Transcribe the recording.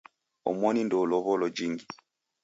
Omoni ndeulow'olo jingi.